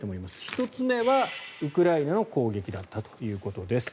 １つ目はウクライナの攻撃だったということです。